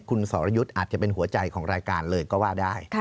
คุณสรยุทธ์อาจจะเป็นหัวใจของรายการเลยก็ว่าได้